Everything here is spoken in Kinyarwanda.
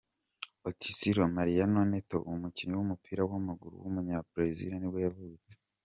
Otacílio Mariano Neto, umukinnyi w’umupira w’amaguru w’umunyabrazil nibwo yavutse.